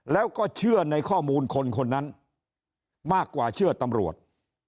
แล้วก็เชื่อในข้อมูลคนคนนั้นมากกว่าเชื่อตำรวจ